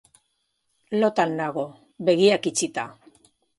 Lotan nago, begiak itxita.